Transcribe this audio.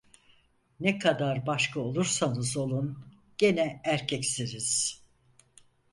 Ne kadar başka olursanız olun, gene erkeksiniz…